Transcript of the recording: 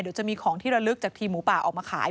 เดี๋ยวจะมีของที่ระลึกจากทีมหมูป่าออกมาขาย